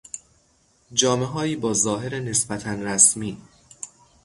جامههایی با ظاهر نسبتا رسمی